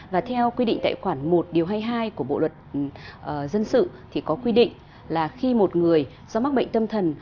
và theo quy định tại khoản một điều hai mươi hai của bộ luật dân sự thì có quy định là khi một người do mắc bệnh tâm thần